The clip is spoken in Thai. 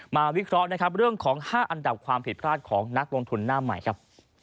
วิเคราะห์นะครับเรื่องของ๕อันดับความผิดพลาดของนักลงทุนหน้าใหม่ครับ